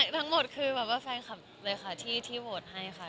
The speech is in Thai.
ทั้งหมดคือแบบว่าแฟนคลับเลยค่ะที่โหวตให้ค่ะ